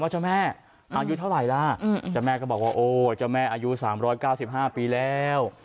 ว่าเจ้าแม่อายุเท่าไหร่ล่ะเจ้าแม่ก็บอกว่าโอ้เจ้าแม่อายุสามร้อยเก้าสิบห้าปีแล้ว